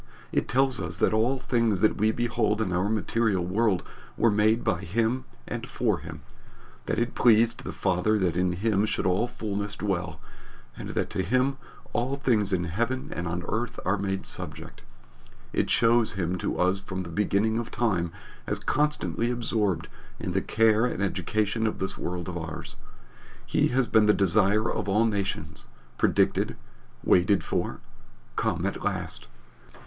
It tells us that all things that we behold in our material world were made by him and for him: that it pleased the Father that in him should all fullness dwell, and that to him all things in heaven and on earth are made subject. It shows him to us from the beginning of time as constantly absorbed in the care and education of this world of ours. He has been the Desire of all nations predicted, waited for, come at last!